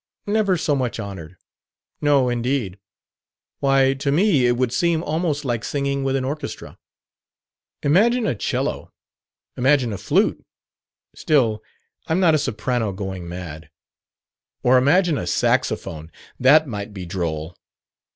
Never so much honored. No, indeed. Why, to me it would seem almost like singing with an orchestra. Imagine a 'cello. Imagine a flute still I'm not a soprano going mad. Or imagine a saxophone; that might be droll."